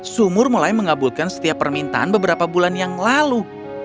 sumur mulai mengabulkan setiap permintaan beberapa bulan yang lalu